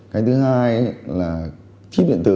cái thứ hai là chip điện tử